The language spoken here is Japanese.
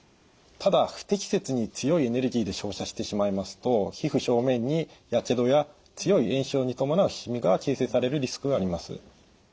ただ不適切に強いエネルギーで照射してしまいますと皮膚表面にやけどや強い炎症に伴うしみが形成されるリスクがあります。